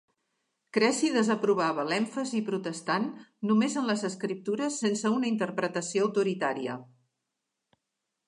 Cressy desaprovava l'èmfasi protestant només en les escriptures sense una interpretació autoritària.